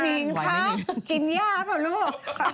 กิ้นเนี่ยครับอาบนู้น